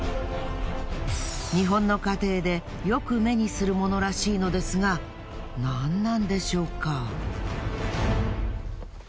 日本の家庭でよく目にする物らしいのですが何なんでしょうか。